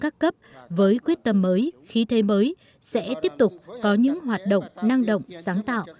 các cấp với quyết tâm mới khí thế mới sẽ tiếp tục có những hoạt động năng động sáng tạo